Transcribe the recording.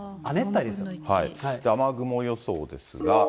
雨雲予想ですが。